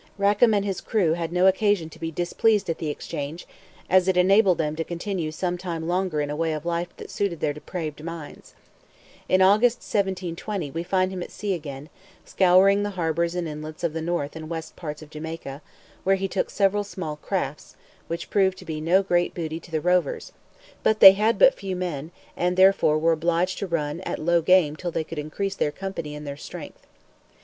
Rackam and his crew had no occasion to be displeased at the exchange, as it enabled them to continue some time longer in a way of life that suited their depraved minds. In August 1720, we find him at sea again, scouring the harbours and inlets of the north and west parts of Jamaica, where he took several small crafts, which proved no great booty to the rovers; but they had but few men, and therefore were obliged to run at low game till they could increase their company and their strength.